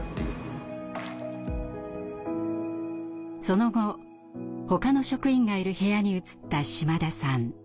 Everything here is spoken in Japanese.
その後ほかの職員がいる部屋に移った島田さん。